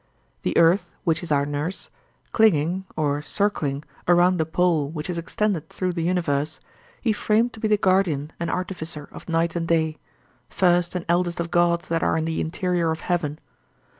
The earth, which is our nurse, clinging (or 'circling') around the pole which is extended through the universe, he framed to be the guardian and artificer of night and day, first and eldest of gods that are in the interior of heaven.